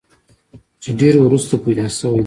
چې ډېر وروستو پېدا شوی دی